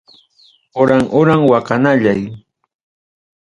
Horan horan waqanallay.